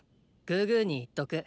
グーグーに言っとく。